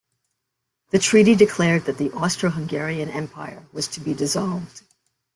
The treaty declared that the Austro-Hungarian Empire was to be dissolved.